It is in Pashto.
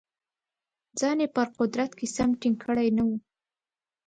ځان یې په قدرت کې سم ټینګ کړی نه وو.